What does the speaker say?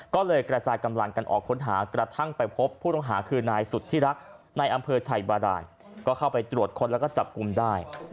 ก็เลยกระจายกำลังกันออกค้นหากระทั่งไปพบผู้ต้องหาคือนายสุธิรักษ์ในอำเภอชัยบาดานก็เข้าไปตรวจค้นแล้วก็จับกลุ่มได้